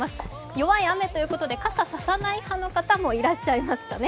弱い雨ということで、傘を差さない派の方もいらっしゃいますかね。